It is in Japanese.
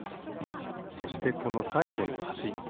そしてこのさいごのはし。